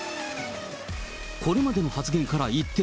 これまでの発言から一転。